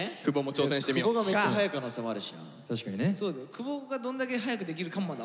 久保がどんだけ速くできるかまだ分かんない。